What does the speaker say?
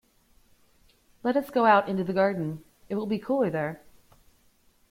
Let us go out into the garden; it will be cooler there.